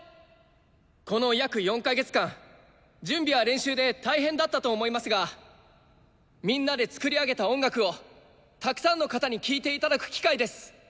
この約４か月間準備や練習で大変だったと思いますがみんなで作り上げた音楽をたくさんの方に聴いていただく機会です。